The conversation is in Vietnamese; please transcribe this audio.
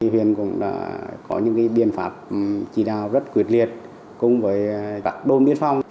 huyện cũng có những biện pháp chỉ đạo rất quyệt liệt cùng với các đồn biên phong